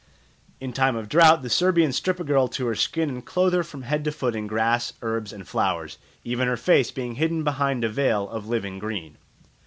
In time of drought the Serbians strip a girl to her skin and clothe her from head to foot in grass, herbs, and flowers, even her face being hidden behind a veil of living green.